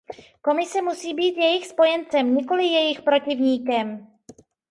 Komise musí být jejich spojencem, nikoli jejich protivníkem.